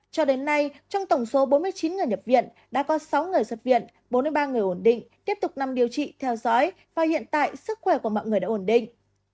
cho đến nay trong tổng số bốn mươi chín người nhập viện đã có sáu người xuất viện bốn mươi ba người ổn định tiếp tục nằm điều trị theo dõi và hiện tại sức khỏe của mọi người đã ổn định